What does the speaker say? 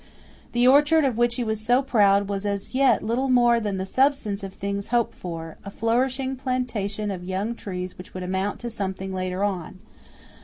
The orchard of which he was so proud was as yet little more than the substance of things hoped for a flourishing plantation of young trees which would amount to something later on.